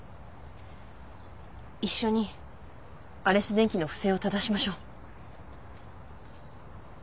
一緒にアレス電機の不正をただしましょう。